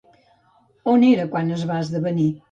On era quan es va esdevenir?